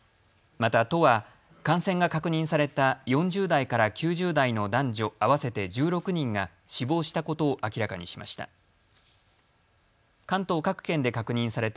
また都は感染が確認された４０代から９０代の男女合わせて１６人が死亡したことを明らかにしました。